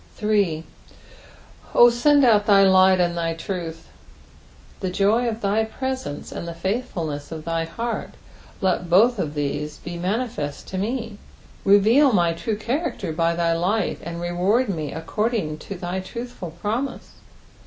8. "0 tend out thy light and thy truth." The joy o( thy presence and the fldthfulness of thy heart ; let both of these be manifeat to me. Beveal my true cbamcter by thy light, and reward me according to thy truthful promise.